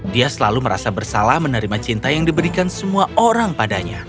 dia selalu merasa bersalah menerima cinta yang diberikan semua orang padanya